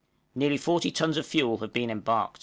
Nearly forty tons of fuel have been embarked.